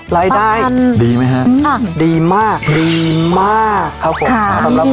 รายได้ดีไหมคะค่ะดีมากดีมากครับผมครับครับผม